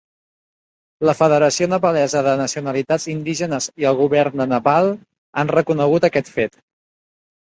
La Federació Nepalesa de Nacionalitats Indígenes i el govern de Nepal han reconegut aquest fet.